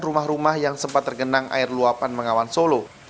rumah rumah yang sempat tergenang air luapan mengawan solo